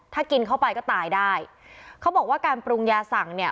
ถ้ากินเข้าไปก็ตายได้เขาบอกว่าการปรุงยาสั่งเนี่ย